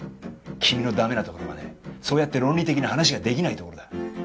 君のダメなところはねそうやって論理的な話が出来ないところだ。